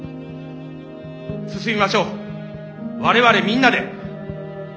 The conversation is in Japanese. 進みましょう我々みんなで。